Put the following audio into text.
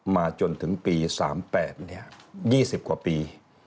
มาจนถึงปี๓๘เนี่ย๒๐กว่าปี